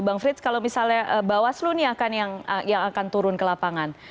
bang frits kalau misalnya bawaslu ini yang akan turun ke lapangan